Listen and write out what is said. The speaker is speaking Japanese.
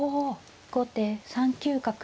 後手３九角。